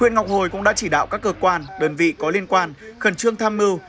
huyện ngọc hồi cũng đã chỉ đạo các cơ quan đơn vị có liên quan khẩn trương tham mưu